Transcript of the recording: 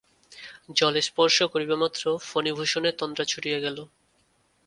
জলস্পর্শ করিবামাত্র ফণিভূষণের তন্দ্রা ছুটিয়া গেল।